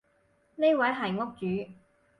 呢位係屋主